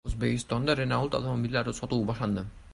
O‘zbekistonda Renault avtomobillari sotuvi boshlandi